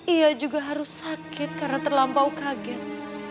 ia juga harus sakit karena terlampau kaget